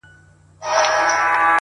هوښیار انسان لومړی اوري!